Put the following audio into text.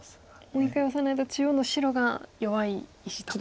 もう１回オサないと中央の白が弱い石と。